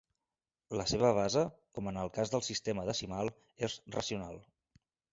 La seva base, com en el cas del sistema decimal, és racional.